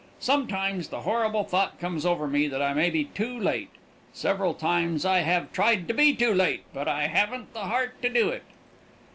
Sometimes the horrible thought comes over me that I may be too late. Several times I have tried to be too late, but I haven't the heart to do it."